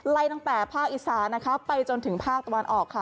ไล่ตั้งแต่ภาคอีสานนะคะไปจนถึงภาคตะวันออกค่ะ